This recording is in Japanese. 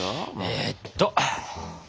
えっと。